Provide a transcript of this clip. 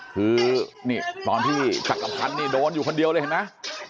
คือตอนที่จักรพรรณโดนอยู่คนเดียวเลยเห็นมั้ย